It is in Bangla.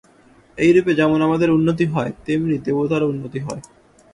এইরূপে যেমন আমাদের উন্নতি হয়, তেমনি দেবতারও উন্নতি হয়।